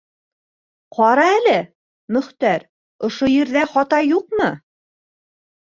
- Ҡара әле, Мөхтәр, ошо ерҙә хата юҡмы?